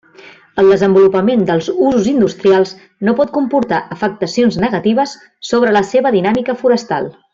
El desenvolupament dels usos industrials no pot comportar afectacions negatives sobre la seva dinàmica forestal.